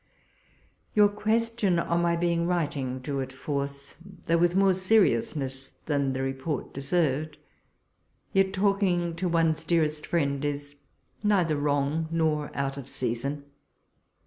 Your question on my being writing drew it forth, though with more seriousness than the report deserved — yet talking to one's dearest friend is neither wrong nor out of season.